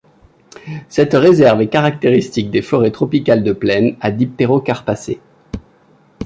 Cette réserve est caractéristique des forêts tropicales de plaine à dipterocarpacées.